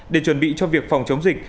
để chuẩn bị cho việc phòng chống dịch